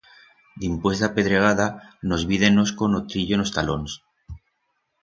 Dimpués d'a pedregada, nos vídenos con o trillo en os talons.